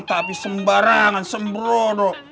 tapi sembarangan sembrono